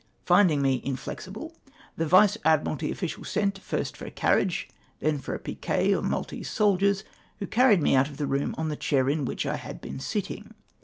Finding me inflexible, the Vice admiralty official sent —. first for a carriage, and then for a piquet of Maltese soldiers, who carried me out of the room on the chair in which I had been sitting.